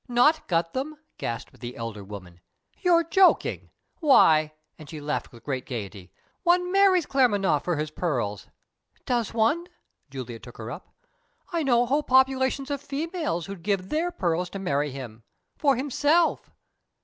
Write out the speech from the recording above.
"Not got them?" gasped the elder woman. "You're joking. Why" and she laughed with great gaiety "one marries Claremanagh for his pearls!" "Does one?" Juliet took her up. "I know whole populations of females who'd give their pearls to marry him, for himself!"